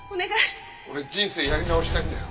俺人生やり直したいんだよ。